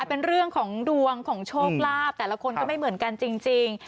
เป็นเรื่องของดวงของโชคลาภแต่ละคนก็ไม่เหมือนกันจริง